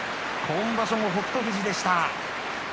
今場所も北勝富士でした。